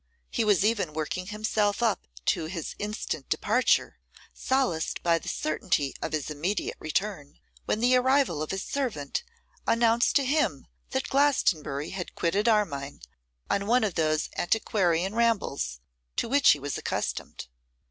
He was even working himself up to his instant departure, solaced by the certainty of his immediate return, when the arrival of his servant announced to him that Glastonbury had quitted Armine on one of those antiquarian rambles to which he was accustomed.